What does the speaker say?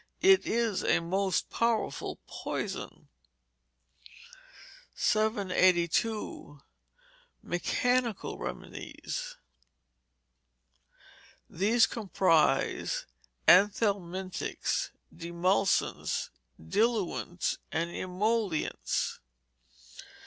It is a most powerful poison. 782. Mechanical Remedies. These comprise anthelmintics, demulcents, diluents, and emollients.